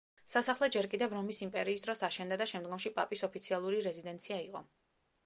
სასახლე ჯერ კიდევ რომის იმპერიის დროს აშენდა და შემდგომში პაპის ოფიციალური რეზიდენცია იყო.